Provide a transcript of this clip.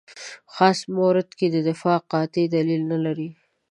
خاص مورد کې دفاع قاطع دلیل نه لري.